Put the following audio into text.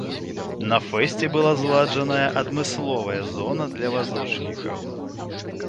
На фэсце была зладжаная адмысловая зона для вазочнікаў.